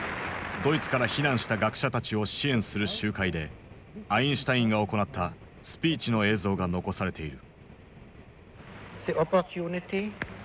ドイツから避難した学者たちを支援する集会でアインシュタインが行ったスピーチの映像が残されている。